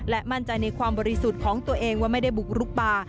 มั่นใจในความบริสุทธิ์ของตัวเองว่าไม่ได้บุกลุกป่า